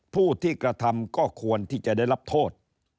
ผู้ที่กระทำก็ควรที่จะได้รับโทษ